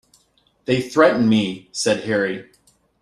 "They threaten me," said Harry.